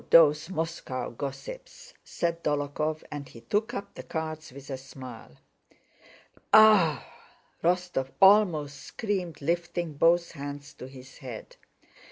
"Oh, those Moscow gossips!" said Dólokhov, and he took up the cards with a smile. "Aah!" Rostóv almost screamed lifting both hands to his head.